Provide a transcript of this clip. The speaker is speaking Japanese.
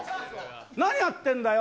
何やってんだよ。